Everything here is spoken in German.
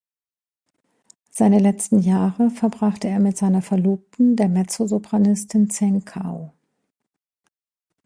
Seine letzten Jahre verbrachte er mit seiner Verlobten, der Mezzosopranistin Zheng Cao.